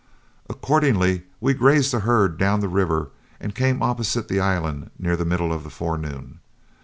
Accordingly we grazed the herd down the river and came opposite the island near the middle of the forenoon.